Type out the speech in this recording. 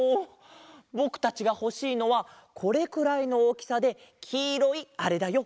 ぼくたちがほしいのはこれくらいのおおきさできいろいあれだよ。